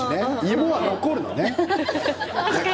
芋は残るのね。